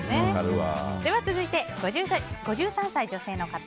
続いて、５３歳、女性の方。